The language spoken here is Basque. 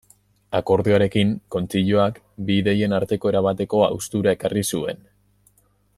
Akordioarekin, kontzilioak bi ideien arteko erabateko haustura ekarri zuen.